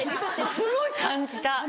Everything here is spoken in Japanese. すごい感じた。